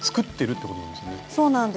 そうなんです。